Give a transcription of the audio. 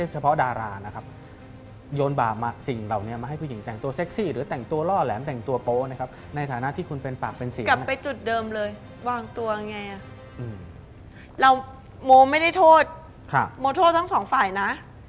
จุดเดิมเลยวางตัวไงเราโมไม่ได้โทษโมโทษทั้ง๒ฝ่ายนะ